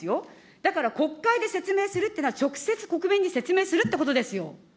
だから国会で説明するっていうのは、直接国民に説明するってことですよ。